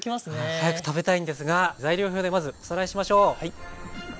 早く食べたいんですが材料表でまずおさらいしましょう。